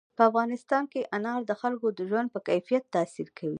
په افغانستان کې انار د خلکو د ژوند په کیفیت تاثیر کوي.